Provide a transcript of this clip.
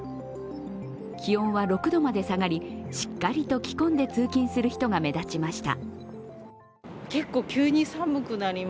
気温は６度まで下がりしっかりと着込んで通勤する人が目立ちました。